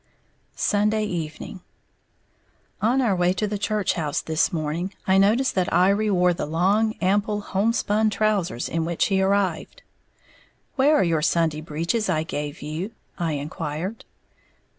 Sunday Evening. On our way to the "church house" this morning, I noticed that Iry wore the long, ample homespun trousers in which he arrived. "Where are the Sunday breeches I gave you?" I inquired.